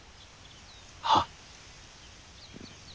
はっ。